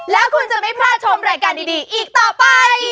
แล้วคุณจะไม่พลาดชมรายการดีอีกต่อไป